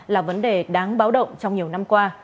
là vấn đề đáng báo động trong nhiều năm qua